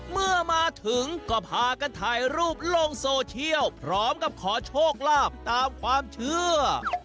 เมื่อมาถึงก็พากันถ่ายรูปลงโซเชียลพร้อมกับขอโชคลาภตามความเชื่อ